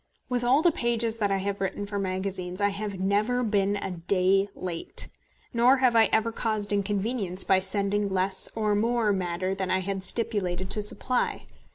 With all the pages that I have written for magazines I have never been a day late, nor have I ever caused inconvenience by sending less or more matter than I had stipulated to supply.